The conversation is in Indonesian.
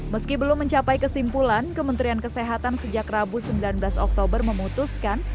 meski belum mencapai kesimpulan kementerian kesehatan sejak rabu sembilan belas oktober memutuskan